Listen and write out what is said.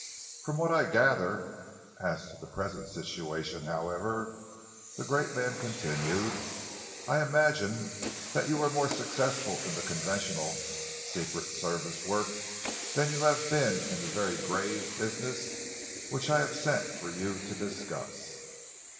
"From what I gather as to the present situation, however," the great man continued, "I imagine that you were more successful in the conventional secret service work than you have been in the very grave business I have sent for you to discuss."